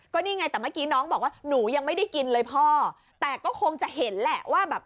ก็นี่ไงแต่เมื่อกี้น้องบอกว่าหนูยังไม่ได้กินเลยพ่อแต่ก็คงจะเห็นแหละว่าแบบ